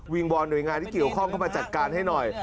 วอนหน่วยงานที่เกี่ยวข้องเข้ามาจัดการให้หน่อย